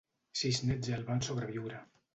Sis nets el van sobreviure.